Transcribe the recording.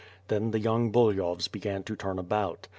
Then the young Buly hovs began to turn about.